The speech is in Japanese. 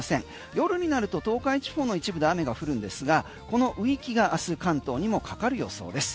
夜になると東海地方の一部で雨が降るんですがこの雨域が明日関東にもかかる予想です。